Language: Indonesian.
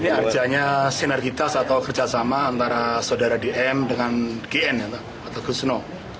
ini artinya sinergitas atau kerjasama antara saudara dm dengan gn atau gusno